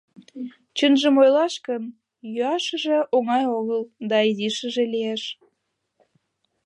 Чынжым ойлаш гын, йӱашыже оҥай огыл да изишыже лиеш...